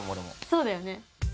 そうだよね。